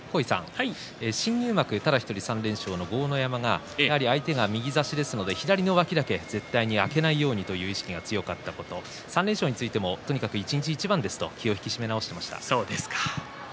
新入幕ただ１人３連勝の豪ノ山やはり相手が右差しですので左の上手だけは絶対負けないようにという意識が強かったこと３連勝についても一日一番ですと気を引き締め直しました。